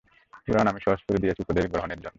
কুরআন আমি সহজ করে দিয়েছি উপদেশ গ্রহণের জন্য।